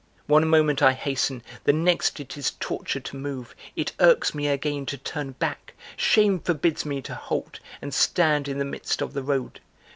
One moment I hasten; the next it is torture to move, It irks me again to turn back, shame forbids me to halt And stand in the midst of the road.